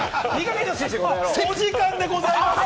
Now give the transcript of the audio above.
お時間でございます。